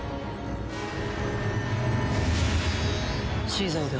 死罪だ。